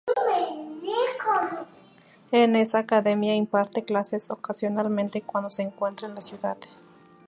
En esa academia imparte clases ocasionalmente cuando se encuentra en la ciudad.